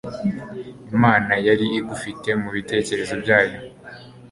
imana yari igufite mu bitekerezo byayo